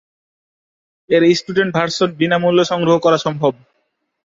এর student version বিনামূল্যে সংগ্রহ করা সম্ভব।